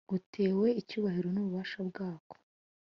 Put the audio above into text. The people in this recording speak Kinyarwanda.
gutewe icyubahiro n’ububasha bwako,